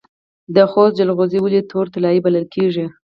د خوست جلغوزي ولې تور طلایی بلل کیږي؟